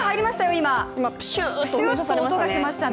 今、プシューッと噴射されましたね。